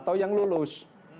atau yang lulus